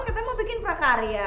kita mau bikin prakarya